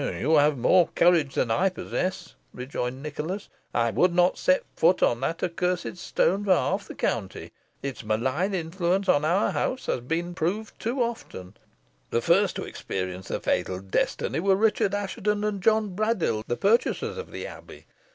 "You have more courage than I possess," rejoined Nicholas. "I would not set foot on that accursed stone for half the county. Its malign influence on our house has been approved too often. The first to experience the fatal destiny were Richard Assheton and John Braddyll, the purchasers of the Abbey.